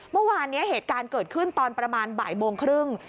เมื่อวานนี้เหตุการณ์เกิดขึ้นตอนประมาณบ่ายโมงครึ่ง